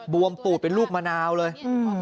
วมปูดเป็นลูกมะนาวเลย